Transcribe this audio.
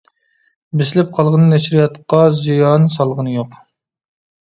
بېسىلىپ قالغىنى نەشرىياتقا زىيان سالغىنى يوق.